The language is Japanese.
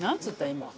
今。